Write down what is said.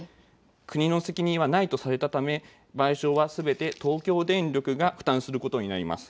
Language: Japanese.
国の責任はないとされたためすべて賠償は東京電力が負担することになります。